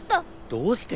どうして？